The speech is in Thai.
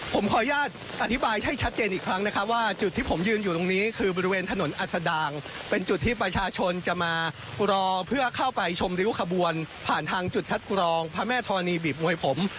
ผมขออนุญาตอธิบายให้ชัดเจนอีกครั้งนะครับว่าจุดที่ผมยืนอยู่ตรงนี้คือบริเวณถนนอัศดางเป็นจุดที่ประชาชนจะมารอเพื่อเข้าไปชมริ้วขบวนผ่านทางจุดคัดกรองพระแม่ธรณีบีบมวยผม